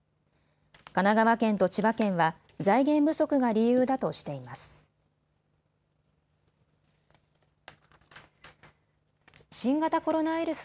神奈川県と千葉県は財源不足が理由だとしています。